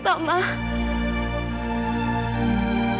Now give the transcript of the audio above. bu ambar gak sama